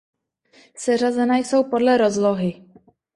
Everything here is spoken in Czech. Seřazena jsou podle rozlohy.